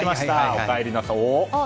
おかえりなさい。